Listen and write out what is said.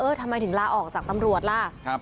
ทำไมถึงลาออกจากตำรวจล่ะ